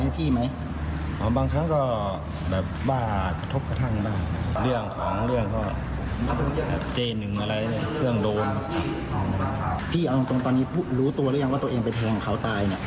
พี่เอาจริงตอนนี้รู้ตัวหรือยังว่าตัวเองเป็นแทนของเขาตาย